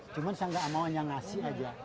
cuma saya gak mau yang ngasih aja